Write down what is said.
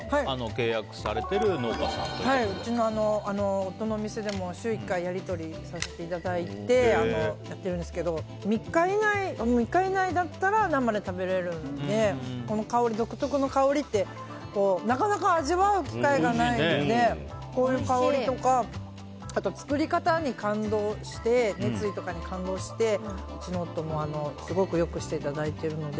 うちの夫のお店でも週１回やり取りさせていただいてやってるんですけど３日以内だったら生で食べられるので独特の香りってなかなか味わう機会がないのでこういう香りとかあと作り方とか熱意とかに感動して、うちの夫もよくしていただいているので。